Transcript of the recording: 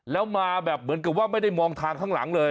แล้วมาแบบเหมือนกับว่าไม่ได้มองทางข้างหลังเลย